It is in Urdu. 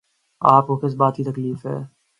آپ کو کس بات کی تکلیف ہے؟